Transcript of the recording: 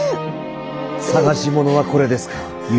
探し物はこれですか？